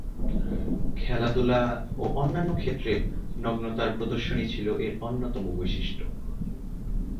খেলাধূলা ও অন্যান্য ক্ষেত্রে নগ্নতার প্রদর্শনী ছিল এর অন্যতম বৈশিষ্ট্য।